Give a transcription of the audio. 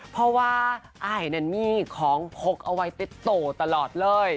เพราะว่าอายนั้นมีของพกเอาไว้ติดโตตลอดเลย